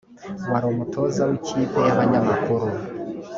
wari umutoza w’ikipe y’abanyamakuru